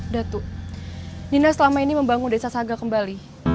datu nina selama ini membangun desa saga kembali